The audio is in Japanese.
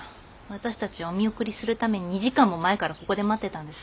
私たちはお見送りするために２時間も前からここで待ってたんです。